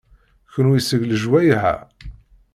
Kenwi seg lejwayeh-a?